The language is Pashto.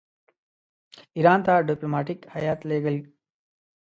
ایران ته ډیپلوماټیک هیات لېږل.